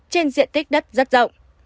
trên diện tích đất rất rộng